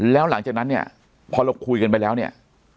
แล้วหลังจากนั้นเนี่ยพอเราคุยกันไปแล้วเนี่ย